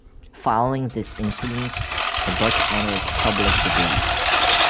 Following this incidence the book entered public debate.